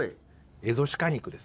エゾシカ肉です。